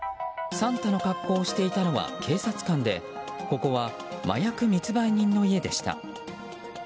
サンタの格好をしていたのは警察官でここは麻薬密売人の家でした。